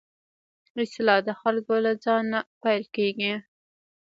اصلاح د خلکو له ځان نه پيل کېږي.